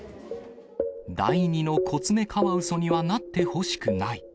第２のコツメカワウソにはなってほしくない。